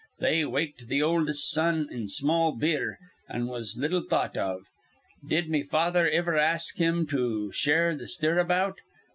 They waked th' oldest son in small beer, an' was little thought of. Did me father iver ask thim in to share th' stirabout?